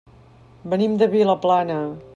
Venim de Vilaplana.